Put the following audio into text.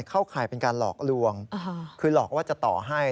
ข่ายเป็นการหลอกลวงคือหลอกว่าจะต่อให้